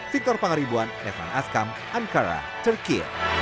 victor pangaribuan evan askam ankara turki